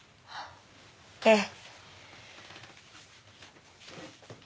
ええ。